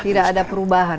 tidak ada perubahan